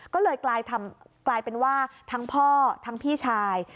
ก็เลยกลายเป็นว่าทั้งพ่อทั้งพี่ชาย